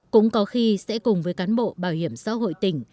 cũng có khi sẽ cùng với cán bộ bảo hiểm xã hội tỉnh